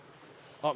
あっ。